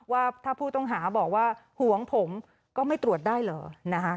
ว่าถ้าผู้ต้องหาบอกว่าห่วงผมก็ไม่ตรวจได้เหรอนะคะ